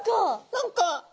何か！